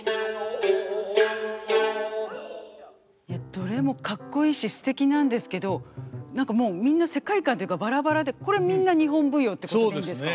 どれもかっこいいしすてきなんですけど何かもうみんな世界観というかバラバラでこれみんな日本舞踊ってことでいいんですか？